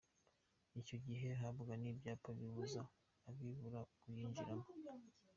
Icyo gihe habaga n’ibyapa bibuza abirabura kuyinjiramo.